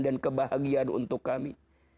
dan kebahagiaan untuk kami